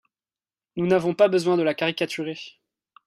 Nous n’avons pas besoin de la caricaturer.